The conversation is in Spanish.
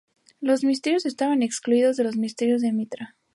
Las mujeres estaban excluidas de los misterios de Mitra.